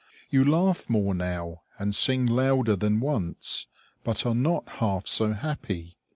You laugh more now, and sing louder than once, but are not half so happy.